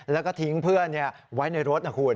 แล้วก็ทิ้งเพื่อนไว้ในรถนะคุณ